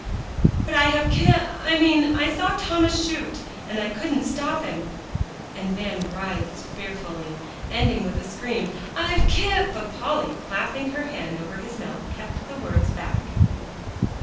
"But I have ki I mean I saw Thomas shoot, and I couldn't stop him," and Van writhed fearfully, ending with a scream "I've ki" but Polly, clapping her hand over his mouth, kept the words back.